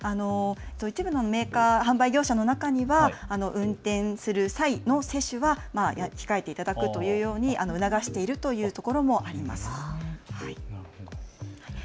一部のメーカー、販売業者の中には運転する際の摂取は控えていただくというように促しているというところもあります。